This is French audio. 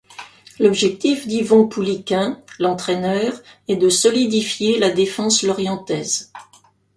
L'objectif d'Yvon Pouliquen, l'entraîneur, est de solidifier la défense lorientaise.